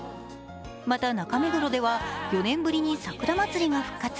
また、中目黒では４年ぶりに桜まつりが復活。